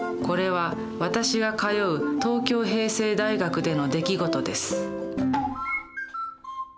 これは私が通う東京平成大学での出来事です。